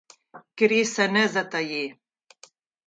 Kri se ne zataji.